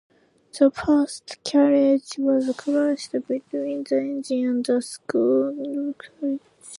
The first carriage was crushed between the engine and the second carriage.